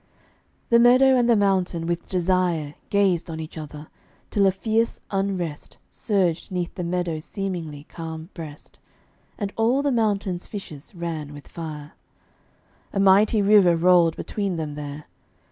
The meadow and the mountain with desire Gazed on each other, till a fierce unrest Surged 'neath the meadow's seemingly calm breast, And all the mountain's fissures ran with fire. A mighty river rolled between them there.